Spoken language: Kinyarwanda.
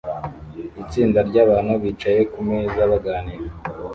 Itsinda ryabantu bicaye kumeza baganira